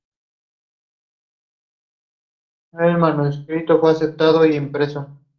Web oficial del teatro